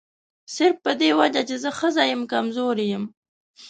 صرف په دې وجه چې زه ښځه یم کمزوري یم.